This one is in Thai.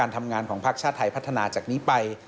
ทำงานของภาคชาติไทยพัฒนาจากนี้ไป